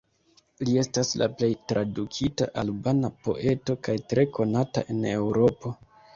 Li estas la plej tradukita albana poeto kaj tre konata en Eŭropo.